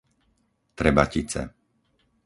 Trebatice